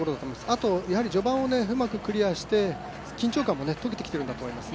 あと序盤をうまくクリアして緊張感もとけてきているんだと思います。